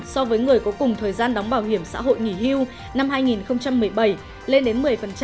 so với người có cùng thời gian đóng bảo hiểm xã hội nghỉ hưu năm hai nghìn một mươi bảy lên đến một mươi